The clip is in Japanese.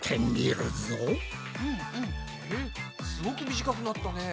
えっすごく短くなったね。